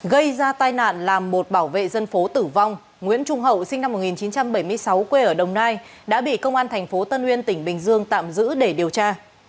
gây ra tai nạn làm một bảo vệ dân phố tử vong nguyễn trung hậu sinh năm một nghìn chín trăm bảy mươi sáu quê ở đồng nai đã bị công an thành phố tân uyên tỉnh bình dương tạm giữ để điều tra